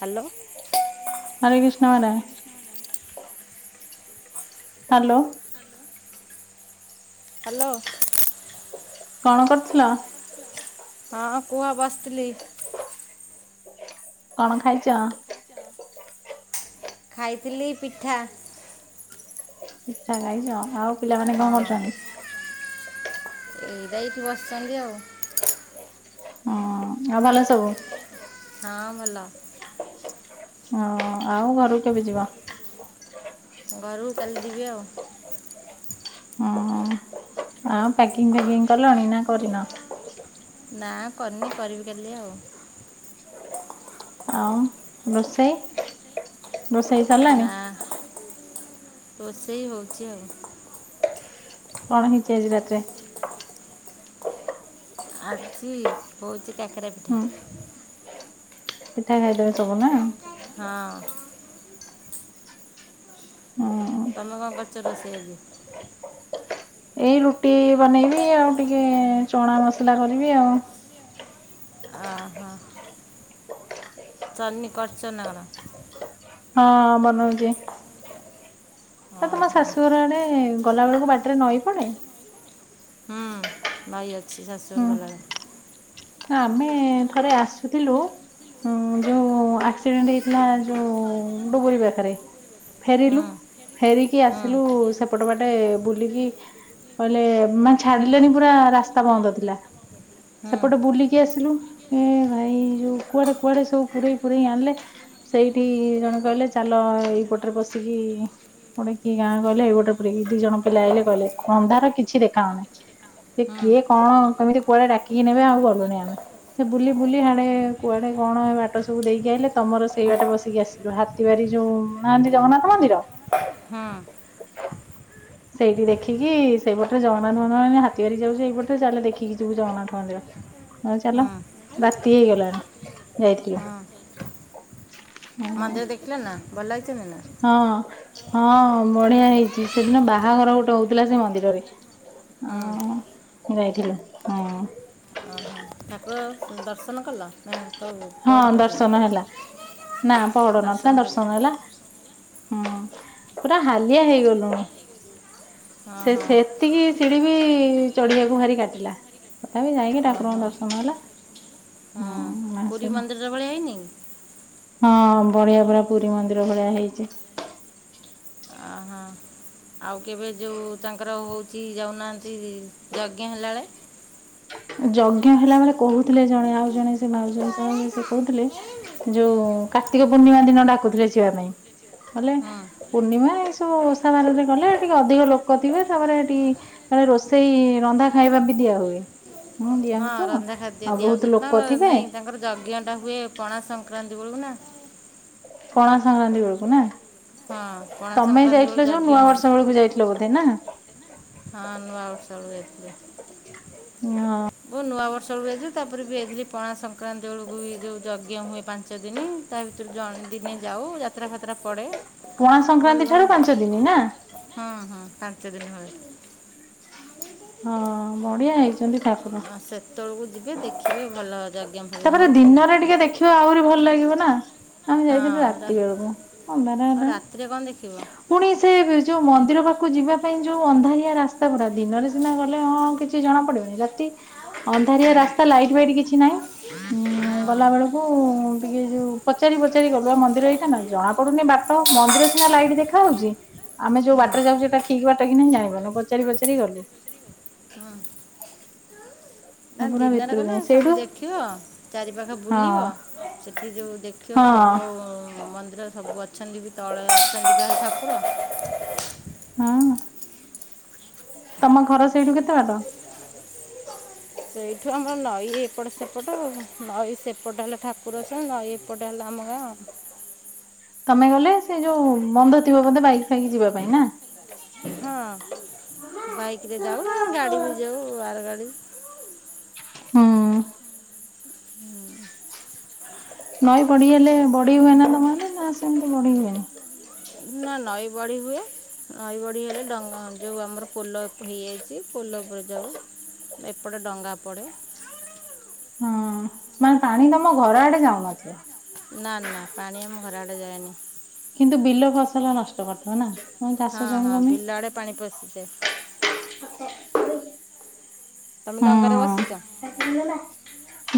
Hello. Hare Krishna madam. Hello. Hello. କଣ କରୁଥିଲ? ହଁ କୁହ ବସିଥିଲି। କଣ ଖାଇଚ? ଖାଇଥିଲି ପିଠା। ପିଠା ଖାଇଚ, ଆଉ ପିଲାମାନେ କଣ କରୁଚନ୍ତି? ଏଇରା ଏଇଠି ବସିଚନ୍ତି ଆଉ। ହଁ ଆଉ ଭଲ ସବୁ? ହଁ ଭଲ। ହଁ ଆଉ ଘରୁକୁ କେବେ ଯିବ? ଘରୁକୁ କାଲି ଯିବି ଆଉ। ହଁ ପ୍ୟାକିଂ ଫ୍ୟାକିଂ କଲଣି ନା କରିନ? ନା କରିନି କରିବି କାଲି ଆଉ। ଆଉ ରୋଷେଇ-ରୋଷେଇ ନା ରୋଷେଇ ହଉଚି ଆଉ। କଣ ହେଇଚି ଆଜି ରାତିରେ? ଆଜି ହଉଚି କାକେରା ପିଠା। ହୁଁ ପିଠା ଖାଇଦବେ ସବୁ ନା? ହଁ। ତମେ କଣ କରିଚ ରୋଷେଇ ଆଜି? ଏଇ ରୁଟି ବନେଇବି ଆଉ ଟିକେ ଚଣା ମସଲା କରିବି ଆଉ। ଅହୋ। ସରିନି କରୁଚନ୍ତି ନା କଣ? ହଁ ବନଉଚି, ହଁ ଆଉ ତମ ହଁ ଶାଶୁଘର ଆଡ଼େ ଗଲାବେଳକୁ ବାଟରେ ନଈ ପଡ଼େ? ହୁଁ ନଈ ଅଛି ଶାଶୂଘର କୁ ହୁଁ ଗଲା ବେଳେ। ଆମେ ଥରେ ଆସୁଥିଲୁ ଉଁ ଯୋଉ ଆକ୍ସିଡେଣ୍ଟ ହେଇଥିଲା ଯୋଉ ଡୁବୁରୀ ପାଖେରେ। ଫେରିଲୁ ହୁଁ ଫେରିକି ହୁଁ ଆସିଲୁ ସେପଟ ବାଟେ ବୁଲିକି କହିଲେ ମାନେ ଛାଡିଲେନି ପୁରା ରାସ୍ତା ବନ୍ଦ ଥିଲା। ହୁଁ ଏପଟେ ବୁଲିକି ଆସିଲୁ ଏ ଭାଇ ଯୋଉ କୁଆଡେ-କୁଆଡେ ସବୁ ପୁରେଇ-ପୁରେଇ ଆଣିଲେ। ସେଇଠି ଜଣେ କହିଲେ ଚାଲ ଏଇପଟରେ ପଶିକି ଗୋଟେ କି ଗାଁ କହିଲେ, ଗୋଟେ ଦି ଜଣ ପିଲା ଆଇଲେ କହିଲେ ଅନ୍ଧାର କିଛି ଦେଖାହଉନି। ସେ ହୁଁ କିଏ କଣ କେମିତି କୁଆଡେ ଡାକିକି ନେବେ ଆଉ ଗଲୁନି ଆମେ। ସେ ବୁଲି-ବୁଲି ହାଡେ କୁଆଡେ କଣ ହେ ବାଟ ସବୁ ଦେଇକି ଆଇଲେ ତମର ସେଇ ବାଟେ ବସିକି ଆସି ଯୋଉ ହାତୀ ବାରି ଯୋଉ ନାହାନ୍ତି ଜଗନ୍ନାଥ ମନ୍ଦିର ହଁ। ସେଇଠି ଦେଖିକି ସେଇପଟରେ [unintelligible] ହାତୀବାରି ଯାଉଚୁ ଏଇପଟରେ ଯାଉଚୁ ଚାଲେ ଦେଖିକି ଯିବୁ ଜଗନ୍ନାଥ। ମନ୍ଦିର [unintelligible] ଚାଲ ହୁଁ ରାତି ହେଇଗଲାଣି ଯାଇଥିଲୁ। ହୁଁ ମନ୍ଦିର ଦେଖିଲେ ନା ଭଲ ହେଇଚନ୍ତି ନା? ହଁ-ହଁ ବଢିଆ ହେଇଚି, ସେଦିନ ବାହାଘର ଗୋଟେ ହଉଥିଲା ସେ ମନ୍ଦିରରେ। ହୁଁ ହଁ ଯାଇଥିଲୁ ହଁ। ଓହୋ ଠାକୁର ଦର୍ଶନ କଲ ନା [unintelligible] ହଁ ପହଡ଼ ପଡ଼ିଥିଲା? ଦର୍ଶନ ହେଲା ନା ପହଡ ନଥିଲା ଦର୍ଶନ ହେଲା। ହୁଁ ପୁରା ହାଲିଆ ହେଇଗଲୁଣି, ହଁ ହଁ ସେ-ସେ ଏତିକି ଶିଢି ବି ଚଢଆକୁ ଭାରି କାଟିଲା ତଥାପି ଯାଇକି ଠାକୁରଙ୍କ ଓହୋ ଦର୍ଶନ ହେଲା। ହଁ ମା ପୁରି ମନ୍ଦିର ଭଳିଆ ହେଇନି? ହଁ ବଢିଆ ବଢିଆ ପରା ପୁରି ମନ୍ଦିର ଭଳିଆ ହେଇଚି। ଆ ହଁ। ଆଉ କେବେ ଯୋଉ ତାଙ୍କର ହୋଉଚି ଯାଉନାହାନ୍ତି ଯଜ୍ଞ ହେଲାବେଳେ ଯଜ୍ଞ ହେଲା ବେଳେ କୋହୁଥିଲେ ଜଣେ ଆଉ ଜଣେ ସେ ଭାଉଜ ହିସାବ ହେବେ ସେ କହୁଥିଲେ। ଯୋଉ କାର୍ତ୍ତିକ ପୂର୍ଣ୍ଣିମା ଦିନ ଡାକୁଥିଲେ ଯିବା ପାଇଁ ହେଲେ ହଁ ପୂର୍ଣ୍ଣିମା ଏ ସବୁ ଓଷା ବାରରେ ଗଲେ ଏ ଟିକେ ଅଧିକ ଲୋକ ଥିବେ ତାପରେ ହେଟି ତାପରେ ରୋଷେଇ ରନ୍ଧା ଖାଇବା ବି ଦିଆ ହୁଏ। ଦିଆ ହଁ ହୁଏ ତ ରନ୍ଧା ଖାଦ୍ୟ ଆଉ ଦିଆ ବହୁତ ହୋଉଚି ଲୋକ ତାଙ୍କର ଥିବେ। ନାଇଁ ତାଙ୍କର ଯଜ୍ଞଟା ହୁଏ ପଣା ସଂକ୍ରାନ୍ତି ବୋଳକୁ ନା ପଣା ସଂକ୍ରାନ୍ତି ବୋଳକୁ ନା। ହଁ ପଣା ତମେ ସଂକ୍ରାନ୍ତି ବେଳକୁ ଯାଇଥିଲ ଯୋଉ ଯଜ୍ଞ ନୂଆ ହୁଏ ବର୍ଷ ବେଳକୁ ଯାଇ ଥିଲ ବୋଧେ ନା? ହଁ ନୂଆ ବର୍ଷ ବେଳକୁ ଯାଇଥିଲି।। ହଁ। ମୁଁ ନୂଆ ବର୍ଷ ବେଳକୁ ଯାଇଥିଲି ତାପରେ ବି ଯାଇଥିଲି ପଣା ସଂକ୍ରାନ୍ତି ବେଳକୁ ବି ଯୋଉ ଯଜ୍ଞ ହୁଏ ପାଞ୍ଚ ଦିନି। ତା ଭିତରୁ ଜଣେ ଦିନେ ଯାଉ ଯାତ୍ରା ଫାତ୍ରା ପଡେ। ପଣା ସଂକ୍ରାନ୍ତିଠାରୁ ପାଞ୍ଚ ଦିନି ନା। ହଁ ହଁ ପାଞ୍ଚ ଦିନି ହୁଏ। ହଁ ବଢିଆ ହେଇଚି। ସେମତି ଠାକୁର ହଁ ସେତେବେଳକୁ ଯିବେ ଦେଖିବେ ଭଲ ଯଜ୍ଞ ଫଜ୍ଞ ତାପରେ ହୋଉଚି। ଦିନରେ ଟିକେ ଦେଖିବ ଆହୁରି ଭଲ ଲାଗିବ ନା। ଆମେ ଯାଇଥିଲୁ ହଁ ରାତି ରା- ବେଳକୁ ଅନ୍ଧାର ଆଉ ହେଲାଣି। ରାତିରେ କ'ଣ ଦେଖିବ ପୁଣି ସେ ଯୋଉ ମନ୍ଦିର ପାଖକୁ ଯିବା ପାଇଁ ଯୋଉ ଅନ୍ଧାରିଆ ରାସ୍ତାଗୁରା ଦିନରେ ସିନା ଗଲେ ହଁ କିଛି ଜଣା ପଡିବନି। ରାତି ଅନ୍ଧାରିଆ ହଁ ରାସ୍ତା ଲାଇଟ୍ ଫାଇଟ୍ କିଛି ହଁ ନାହିଁ ଗଲା ବେଳକୁ ଟିକେ ଯୋଉ ପଚାରି ପଚାରି ଗଲୁ। ଆ ମନ୍ଦିର ଏଇଟା ନା ଜଣା ପଡୁନି ବାଟ। ମନ୍ଦିର ସିନା ଲାଇଟ୍ ଦେଖା ହୋଉଚି। ଆମେ ଯୋଉ ହଁ ବାଟରେ ଯାଉଚୁ ଏଟା ଠିକ୍ ବାଟ କି ନାହିଁ ଜାଣିପାରୁନୁ ପଚାରି ପଚାରି ଗଲୁ। ଆଁ ପୁରା ଦିନରେ ଭିତରକୁ ଗଲେ ଯାଇ ସବୁ ସେଇଠୁ ଦେଖିବ ଚାରି ପାଖ ହଁ ବୁଲିବ ସେଠି ଯୋଉ ଦେଖିବ ହଁ ସବୁ ମନ୍ଦିର ସବୁ ଅ ଅଛନ୍ତି ବି ତଳେ [inaudible] ଠାକୁର ହୁଁ ତମ ଘର ସେଇଠୁ କେତେ ବାଟ? ସେଇଠୁ ଆମର ନଈ ଏପଟ ସେପଟ ଆଉ ନଈ ସେପଟ ହେଲା ଠା କୁର ଅଛନ୍ତି। ନ‌ଈ ଏପଟ ହେଲା ଆମ ଗାଁ। ତମେ ଗଲେ ସେ ଯୋଉ ବନ୍ଧ ଥିବ ବୋଧେ ବାଇକ୍ ଫାଇକ୍ ଯିବା ପାଇଁ ନା? ହଁ ବାଇକରେ ଯାଉ ନ ଗାଡି ବି ଯାଉ ଆର ଗାଡି ହଁ ଅ। ହୁଁ। ନଈ ବଢିହେଲେ ବଢି ହୁଏ ନା ତମ ଆଡେ ନା ସେମିତି ବଢି ହୁଏନି? ନା ନଈ ବଢି ହୁଏ। ନଈ ବଢି ହେଲେ ଡଙ୍ଗ ଯେଉ ଆମର ପୋଲ ହେଇଯାଇଚି ପୋଲ ଉପରେ ଯାଉ। ଏପଟେ ଡଙ୍ଗା ପଡେ। ହଁ ମାନେ ପାଣି ତମ ଘର ଆଡେ ଯାଉନଥିବ। ନା ନା ପାଣି ଆମ ଘର ଆଡେ ଯାଏନି। କିନ୍ତୁ, ବିଲ ଫସଲ ନଷ୍ଟ କରିଦବ ନା? ଚାଷ ହଁ, ଜମି ହଁ ଫମି ବିଲ ଆଡେ ପାଣି ପଶିଯାଏ। ତମେ ଡଙ୍ଗାରେ ହଁ ବସିଚ? [inaudible]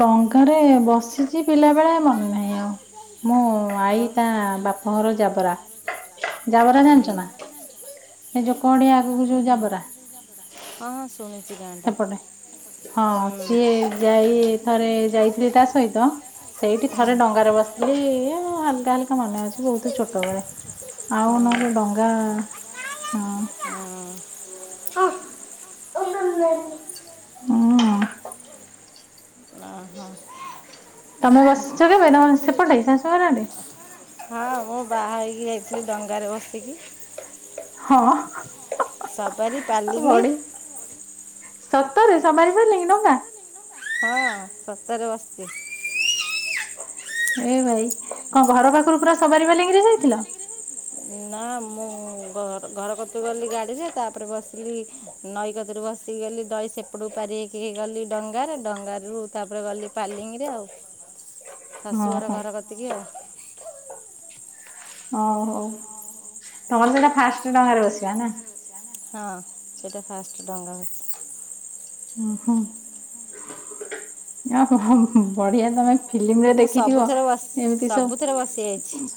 ଡଙ୍ଗାରେ ବସିଛି ପିଲା ବେଳେ, ମନେ ନାହିଁ ଆଉ ମୁଁ ଆଈ ଆଉ ତା ବାପାଘର ଜାବରା। ଜାବରା ଉଁ ଜାଣିଛ ନା? ଏ ଯୋଉ କଡିଆ ଆଗକୁ ଯୋଉ ହୁଁ, ଜାବରା ହଁ ଶୁଣିଚି। ସେପଟେ, ହଁ ସିଏ ଯାଇ ଥରେ ଯାଇଥିଲି ତା ସହିତ ସେଇଠି ହଁ ଥରେ ଡଙ୍ଗାରେ ବସିଥିଲି, ଏ ହାଲକା, ହାଲକା ମନେ ଅଛି ବହୁତ ଛୋଟ ବେଳେ ଆଉ ହଁ ନୁହେଁ ଡଙ୍ଗା ହଁ ହଁ ହୁଁ ହଁ। ଓ ହୋ। ତମେ ବସିଛ କେବେ? ତମେ ସେପଟେ ଶାଶୁ ଘରଆଡେ? ହଁ, ମୁଁ ବାହା ହେଇକି ଯାଇଥିଲି ଡଙ୍ଗାରେ ବସିକି। ହଁ। ସବାରି ପାଲିଙ୍ଗି। ବଢି ସତରେ ସବାରି ପାଲିଙ୍ଗି ଡ଼ଙ୍ଗା? ହଁ ସତରେ ବସିଛି। ଏ ଭାଇ, କଣ ଘର ପାଖରୁ ପୁରା ସବାରି ପାଲିଙ୍ଗିରେ ଯାଇଥିଲ? ନା, ମୁଁ ଘର କତୁରୁ ଗଲି ଗାଡିରେ ତାପରେ ବସିଲି ନଈ କତିରୁ ବସିକି ଗଲି, ନଈ ସେପଟୁ ପାରି ହେଇକି ଗଲି ଡଙ୍ଗାରେ, ଡଙ୍ଗାରୁ ତାପରେ ଗଲି ପାଲିଙ୍ଗିରେ ଆଉ, ହଁ ଶାଶୁ ଘର, ଘର କତିକି ଆଉ। ଓହୋ ତମର ସେଇଟା ଫାଷ୍ଟ ଡଙ୍ଗାରେ ବସିବା ନା? ହଁ, ସେଇଟା ଫାଷ୍ଟ ଡଙ୍ଗା ବସି ଓ ହୋଁ ଆ ବଢିଆ ତମେ ଫିଲ୍ମରେ ମୁଁ ଦେଖିଥିବ ସବୁଥରେ ବସି ଏମିତି ସବୁଥରେ ବସି ଯାଇଛି ସବୁ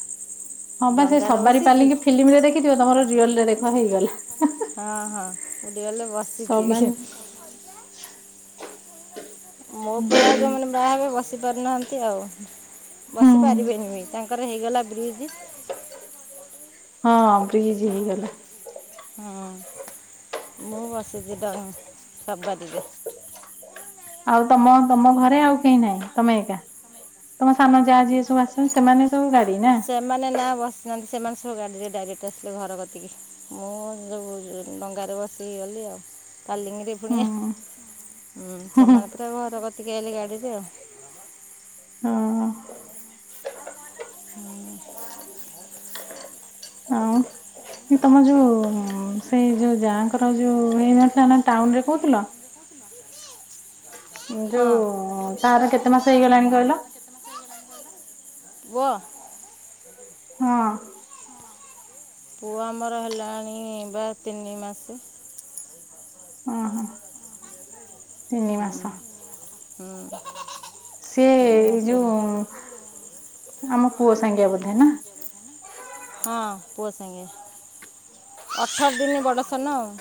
ହଁ ବା ସେ ଡଙ୍ଗାରେ ସବାରି ବସିଛି ପାଲିକି ଫିଲ୍ମରେ ଦେଖିଥିବ, ତମର ରିଅଲରେ ଦେଖ ହେଇଗଲା? ହଁ ହଁ ପଡିଆଲେ ବସିିଚି ସବାରି ମୋ ଉପରେ ଆଉ ଯୋଉମାନେ ବାହାହେବେ ବସି ପାରୁନାହାନ୍ତି ଆଉ ହୁଁ ବସି ପାରିବେନିବି ତାଙ୍କ ତ ହେଇଗଲା ବ୍ରିଜ୍। ହଁ ବ୍ରିଜ୍ ହେଇଗଲା। ହଁ ମୁଁ ବସିଛି ଡ ସବାରିରେ। ଆଉ ତମ ତମ ଘରେ ଆଉ କେହି ନାହିଁ ତମେ ଏକା। ତମ ସାନ ଯାହା ଯିଏ ସବୁ ଆସନ୍ତି ସେମାନେ ସବ ଗାଡି ନା ସେମାନେ ନା ବସିନାହାନ୍ତି ସେମାନେ ସବୁ ଗାଡିରେ ଡାଇରେକ୍ଟ ଆସିଲେ ଘର କତିକି। ମୁଁ ଯୋଉ ଡଙ୍ଗାରେ ବସିକି ଗଲି ଆଉ, ଫାଲିଙ୍ଗିରେ ଫୁଣିଆ। [inaudible] ହୁଁ ସେମାନେ ପୁରା ଘର କତିକି ଆଲେ ଗାଡ଼ିରେ ଆଉ ହଁ। ହଁ ଆଉ ତମ ଯୋଉ ସେଇ ଯୋଉ ଯାଁଙ୍କର ଯୋଉ ହେଇନଥିଲା ନା ଟାଉନରେ କହୁଥିଲ। ହଁ ଯୋଉ ତାର କେତେ ମାସ ହେଇଗଲାଣି କହିଲ? ପୁଅ। ହଁ। ପୁଅ ଆମର ହେଲାଣି ବା ତିନି ମାସ। ହଁ ହଁ ହୁଁ ହୁଁ ସିଏ ତିନି ଏ ମାସ ଯୋଉ ହେଲା ଆମ ପୁଅ ସାଙ୍ଗେ ବୋଧେ ନା? ହଁ ପୁଅ ସାଙ୍ଗେ ଅଠର ଦିନି ବଡ଼ ସାନ ଆଉ।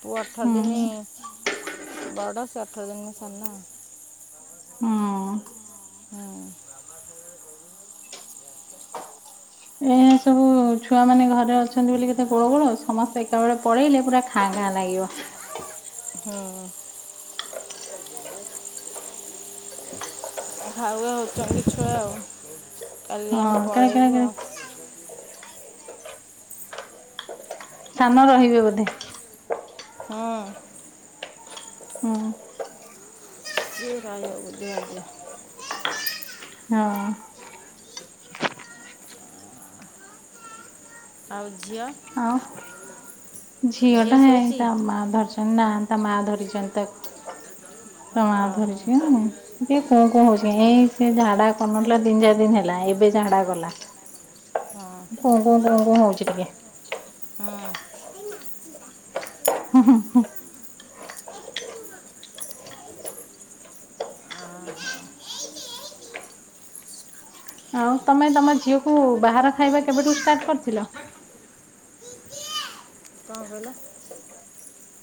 ପୁଅ ଅଠର ହୁଁ ଦିନି ବଡ଼ ସେ ଅଠର ଦିନି ସାନ ଆଉ। ହୁଁ ହଁ ଏଇନା ସବୁ ଛୁଆ ମାନେ ଘରେ ଅଛନ୍ତି ବୋଲି କେତେ ଗୋଳ ଗୋଳ ସମସ୍ତେ ଏକାବେଳେ। ପଳେଇଲେ ପୁରା ଖାଁ ଘାଁ ଲାଗିବ। ହଁ [unintelligible] ହାଉ ହାଉ ହଉଛନ୍ତି ଛୁଆ ଆଉ କାଲି ହଁ ଆମେ କେଳେ କେଳେ ପଳେଇବୁ କେଳେ ଆଉ। ସାନ ରହିବେ ବୋଧେ? ହଁ ଅ ହଁ ଇଏ ରହିବ ବୁଧବାର ଜିବ। ହଁ ଆଉ ଝିଅ? ଆ ଖେଇ ଝିଅ ଟା ହେ ତା ମା ଧରିଛନ୍ତି ନା ତା ମା ଧରିଛନ୍ତି ତାକୁ। ତା ମା ଓହୋ ଧରିଛି [unintelligible] ଟିଏ କୋଣ କଣ ହଉଛି ଏଇ ସେ ଝାଡା କରୁନଥିଲା ତିନି ଚାରି ଦିନି ହେଲା ଏବେ ଝାଡା ଗଲା ହଁ ହଁକୁ କୁ କୁ ହଉଛି ଟିକେ ହଁ [unintelligible] ହୁଁ ହୁଁ ହୁଁ ହ [unintelligible] ଆଉ ତମେ ତମ ଝିଅକୁ ବାହାର ଖାଇବା କେବେଠୁ ଷ୍ଟାର୍ଟ କରିଥିଲ? କ'ଣ କହିଲ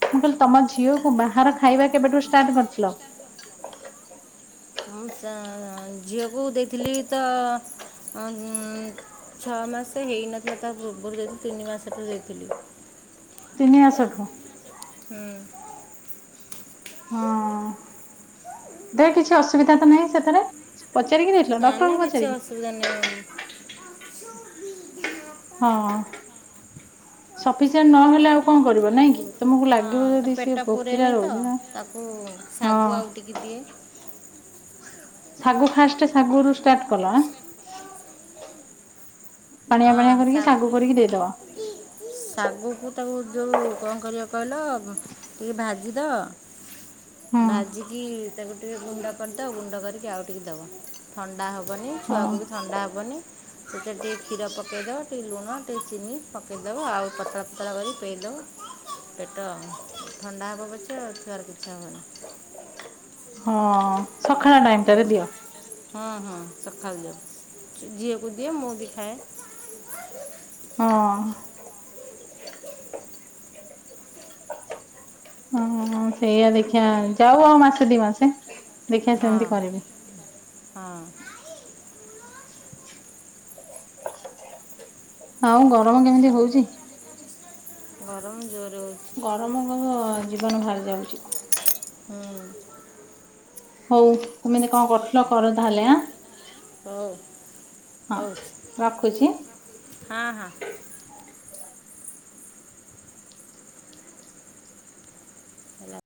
ମୁଁ କହିଲି ତମ ଝିଅ କୁ ବାହାର ଖାଇବା କେବେଠୁ ଷ୍ଟାର୍ଟ କରିଥିଲ? ହ ଚା -ଝିଅକୁ ଦେଇଥିଲି ତ ଅ ଉ - ଛଅ ମାସ ହେଇନଥିଲା ତା ପୂର୍ବରୁ ଦେଇଥିଲି ତିନି ମାସଠୁ ଦେଇଥିଲି। ତିନି ମାସ ଠୁ। ହୁଁ ହଁ ତେରଆ କିଛି ଅସୁବିଧା ତ ନାହିଁ ସେଥିରେ? ପଚାରିକି। ଦେଇଥିଲ ନା ନା ଡକ୍ଟରଙ୍କୁ କିଛି ପଚାରିକି ଅସୁବିଧା ନାହିଁ। ହଁ ସଫିସିଏଣ୍ଟ ନହେଲେ ଆଉ କଣ କରିବ ନାଇଁ କି? ତମକୁ ହଁ ଲାଗିବ ତା ଯଦି ସିଏ ପେଟ ଭୋକିଲା ପୁରେନି ତ ରହୁଛି ନା। ତାକୁ ହଁ ଶାଗୁ ଆଉ ଟିକେ ଦିଏ। ଶାଗୁ ଫାଷ୍ଟ ଶାଗରୁୁ ଷ୍ଟାର୍ଟ କଲ ଆ। ପାଣିଆ ପାଣିଆ ହଁ କରିକି ଶାଗ ସାଗୁ କରିକି ଦେଇଦବା। ଶାଗକୁ ତାକୁ ଯଉ କଣ କରିବ କହିଲ। ଟିକେ ଭାଜିଦେବ। ହୁଁ ଭାଜିକି ତାକୁ ଟିକେ ଗୁଣ୍ଡ କରିଦିଅ ଗୁଣ୍ଡ କରିକି ଆଉ ଟିକେ ଦବ। ଥଣ୍ଡା ହବନି ହଁ ଛୁଆକୁ ବି ଥଣ୍ଡା ହବନି ସେଟା ଟିକି ଖୀର ପକେଇଦବ ଟିକେ ଲୁଣ ଟିକେ ଚିନି ପକଇଦବ ଆଉ ପତଳା ପତଳା କରି ପେଇଦବ। ପେଟ ଥଣ୍ଡା ହବ ପଛେ ଆଉ ଛୁଆର କିଛି ହବନି। ହଁ ସଖାଳ ଟାଇମ୍ ଟାରେ ହଁ ଦିଅ? ହଁ, ହଁ ସଖାଳୁ ଦିଅ ଝିଅକୁ ଦିଏ ମୁଁ ବି ଖାଏ। ହଁ। ହଁ, ହଁ ସେଇଆ ଦେଖିଆ ଯାଉ ଆଉ ମାସେ ଦି ମାସେ। ଦେଖିବା ସେମିତି କରିବି ହଁ, ହଁ। ହଁ ଗରମ କେମିତି ହଉଛି। ଗରମ ଜୋରେ ହଉଛି। ଗରମ ପବ ଜୀବନ ବାହାରି ଯାଉଛି। ହଁ। ହଉ ତୁମେ ଏଇନେ କଣ କରୁଥିଲ କର ତାହେଲେ ଆଁ। ହଁ। ହଁ ରଖୁଛି। ହଁ, ହଁ। ହେଲା